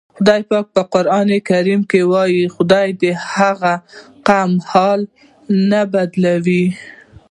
خدای پاک په قرآن کې وایي: "خدای د هغه قوم حال نه بدلوي".